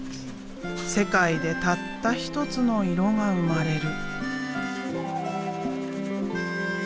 世界でたった一つの色が生まれる。